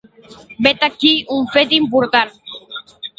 Vet aquí un fet important.